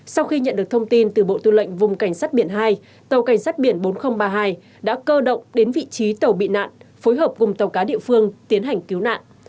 sau khi nhận được thông tin từ bộ tư lệnh vùng cảnh sát biển hai tàu cảnh sát biển bốn nghìn ba mươi hai đã cơ động đến vị trí tàu bị nạn phối hợp cùng tàu cá địa phương tiến hành cứu nạn